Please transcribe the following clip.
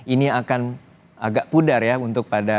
ini akan agak pudar ya untuk pada